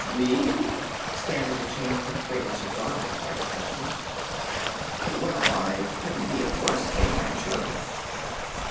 "Me?" stammered the Chamberlain, greatly surprised by the question. "Well, I couldn't be a worse King, I'm sure."